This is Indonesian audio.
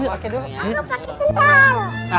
aku pakai sendal